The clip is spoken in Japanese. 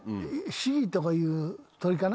シギとかいう鳥かな？